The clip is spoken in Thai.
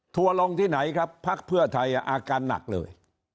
ลงที่ไหนครับพักเพื่อไทยอาการหนักเลย